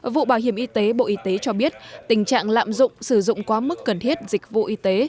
vụ bảo hiểm y tế bộ y tế cho biết tình trạng lạm dụng sử dụng quá mức cần thiết dịch vụ y tế